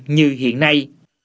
như hiện nay